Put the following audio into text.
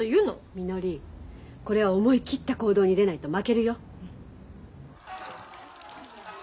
みのりこれは思い切った行動に出ないと負けるよ。